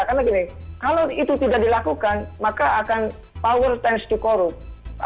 karena begini kalau itu tidak dilakukan maka akan power tends to corrupt